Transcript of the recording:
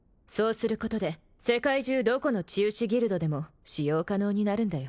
することで世界中どこの治癒士ギルドでも使用可能になるんだよ